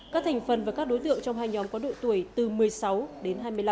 các thành phần và các đối tượng trong hai nhóm có độ tuổi từ một mươi sáu đến hai mươi năm